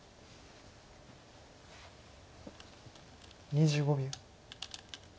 ２５秒。